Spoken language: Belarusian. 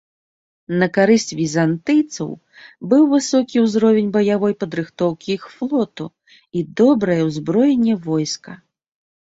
На карысць візантыйцаў быў высокі ўзровень баявой падрыхтоўкі іх флоту і добрае ўзбраенне войска.